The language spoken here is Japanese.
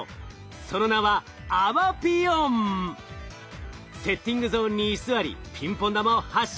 その名はセッティングゾーンに居座りピンポン玉を発射。